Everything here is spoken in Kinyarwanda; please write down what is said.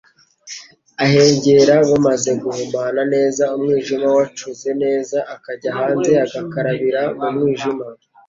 ahengera bumaze guhumana neza, umwijima wacuze neza, akajya hanze agakarabira mu mwijima